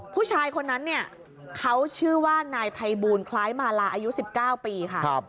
ผู้ชายคนนั้นเนี่ยเขาชื่อว่านายภัยบูลคล้ายมาลาอายุ๑๙ปีค่ะ